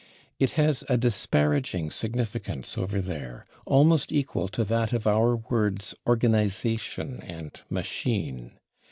It has a disparaging significance over there, almost equal to that of our words /organization/ and /machine